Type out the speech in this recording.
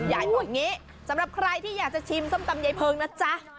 พูดอย่างนี้สำหรับใครที่อยากจะชิมส้มตำยายเพิงนะจ๊ะ